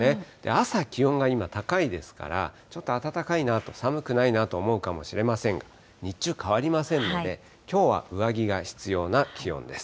朝、気温が今、高いですから、ちょっと暖かいなと、寒くないなと思うかもしれませんが、日中、変わりませんので、きょうは上着が必要な気温です。